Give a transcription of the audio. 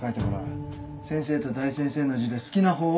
先生と大先生の字で好きな方を選ぶんだぞ。